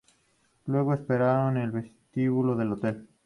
Luego esperaron en el vestíbulo del hotel.